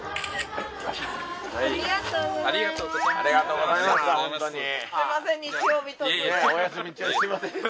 ありがとうございます。